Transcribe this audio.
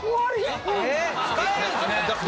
ええ使えるんですね